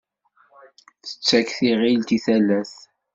Tettak tiɣilt i talat.